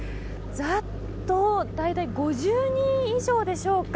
ざっと、大体５０人以上でしょうか。